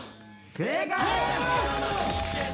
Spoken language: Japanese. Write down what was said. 正解！